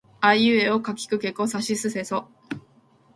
あいうえおかきくけこさしせそ